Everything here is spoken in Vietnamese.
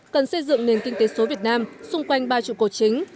cần xây dựng nền kinh tế số việt nam xung quanh ba trụ cột chính